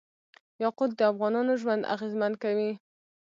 یاقوت د افغانانو ژوند اغېزمن کوي.